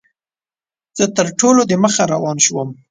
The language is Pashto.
زه تر ټولو دمخه روان شوم.